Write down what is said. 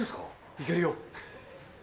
いけるよ！